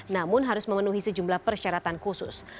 namun harus memenuhi sejumlah persyaratan khusus